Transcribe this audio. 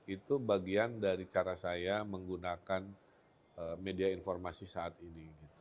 itu bagian dari cara saya menggunakan media informasi saat ini